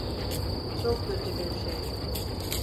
Çok kötü bir şey.